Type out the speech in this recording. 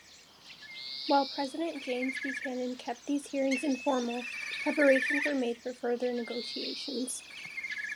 While President James Buchanan kept these hearings informal, preparations were made for further negotiations.